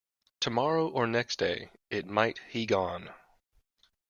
Tomorrow or next day it might he gone.